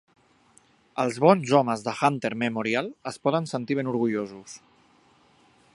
Els bons homes del Hunter Memorial es poden sentir ben orgullosos.